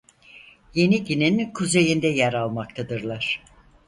Yeni Gine'nin kuzeyinde yer almaktadırlar.